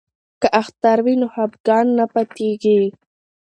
که اختر وي نو خفګان نه پاتیږي.